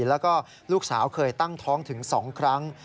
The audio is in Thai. แล้วก็ลูกสาวเคยตั้งท้องถึง๒ครั้ง